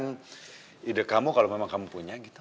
ide kamu kalau memang kamu punya gitu